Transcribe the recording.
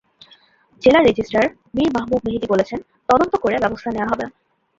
জেলা রেজিস্ট্রার মীর মাহবুব মেহেদি বলেছেন, তদন্ত করে ব্যবস্থা নেওয়া হবে।